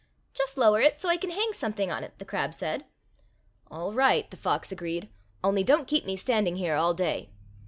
"Just lower it so I can hang something on it," the crab said. "All right," the fox agreed; "only don't keep me standing here all day."